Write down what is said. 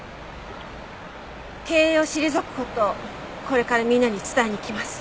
経営を退く事をこれからみんなに伝えにいきます。